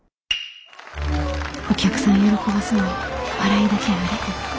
お客さん喜ばすのは笑いだけやあれへん